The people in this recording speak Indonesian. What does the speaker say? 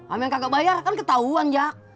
amin kagak bayar kan ketauan jak